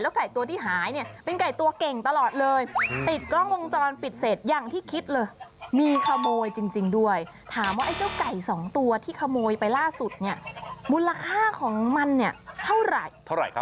แล้วไก่ตัวที่หายเนี่ยเป็นไก่ตัวเก่งตลอดเลย